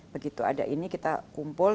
begitu ada ini kita kumpul